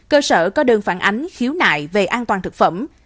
cơ sở có đơn phản ánh khiếu nại về an toàn thực phẩm